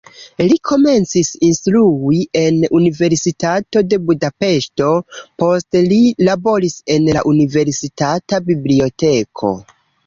Li komencis instrui en Universitato de Budapeŝto, poste li laboris en la universitata biblioteko.